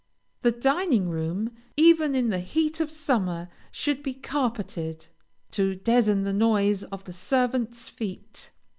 The dining room, even in the heat of summer, should be carpeted, to deaden the noise of the servants' feet.